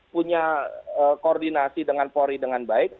punya koordinasi dengan polri dengan baik